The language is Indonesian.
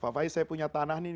fafai saya punya tanah ini